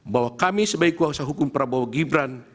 bahwa kami sebagai kuasa hukum prabowo gibran